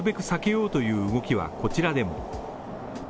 避けようという動きはこちらでも。